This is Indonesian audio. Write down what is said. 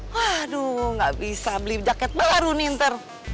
waduh gak bisa beli jaket baru nih ntar